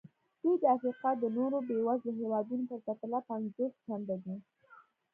دوی د افریقا د نورو بېوزلو هېوادونو په پرتله پنځوس چنده دي.